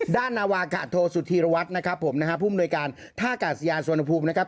นาวากาโทสุธีรวัตรนะครับผมนะฮะผู้มนวยการท่ากาศยานสวนภูมินะครับ